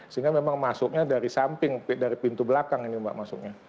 sehingga memang masuknya dari samping dari pintu belakang ini mbak masuknya